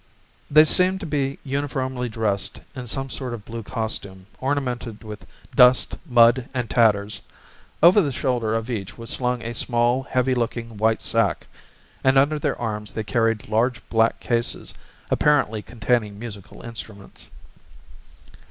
They seemed to be uniformly dressed in some sort of blue costume ornamented with dust, mud, and tatters; over the shoulder of each was slung a small, heavy looking white sack, and under their arms they carried large black cases apparently containing musical instruments.